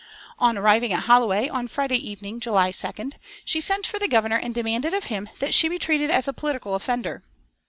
On arriving at Holloway on Friday evening, July 2nd, she sent for the Governor and demanded of him that she be treated as a political offender.